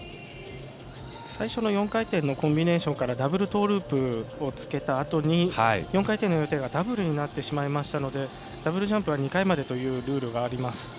最初の４回転のコンビネーションからダブルトーループをつけたあとに４回転の予定がダブルになってしまったのでダブルジャンプは２回までというルールがあります。